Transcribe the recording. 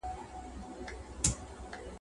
کبرجن د خدای ج دښمن دئ ..